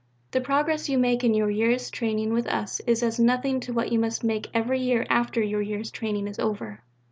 The progress you make in your year's training with us is as nothing to what you must make every year after your year's training is over.